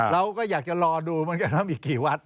เราก็อยากจะรอดูเหมือนกันว่ามีกี่วัด